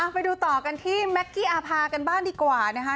ไปดูต่อกันที่แม็กกี้อาภากันบ้างดีกว่านะคะ